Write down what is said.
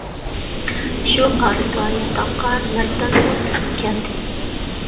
شۇ ئارىدا ياتاققا مەردانمۇ كىرىپ كەلدى.